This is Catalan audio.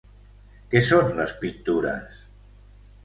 Què són les pintures?